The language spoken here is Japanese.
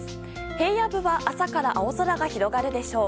平野部は朝から青空が広がるでしょう。